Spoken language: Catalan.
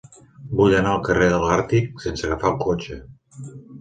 Vull anar al carrer de l'Àrtic sense agafar el cotxe.